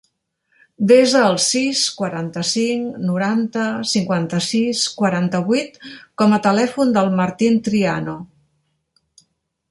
Desa el sis, quaranta-cinc, noranta, cinquanta-sis, quaranta-vuit com a telèfon del Martín Triano.